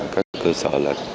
các cơ sở